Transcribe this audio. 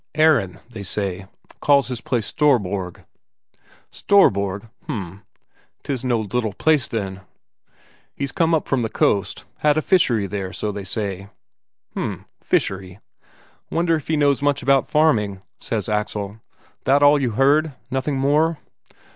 "Aron, they say. Calls his place Storborg." "Storborg? H'm. 'Tis no little place, then." [Footnote: "Stor" = great] "He's come up from the coast. Had a fishery there, so they say." "H'm fishery. Wonder if he knows much about farming?" says Axel. "That all you heard? Nothing more?"